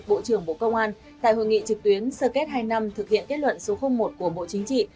bộ trưởng bộ công an tại hội nghị trực tuyến sơ kết hai năm thực hiện kết luận số một của bộ chính trị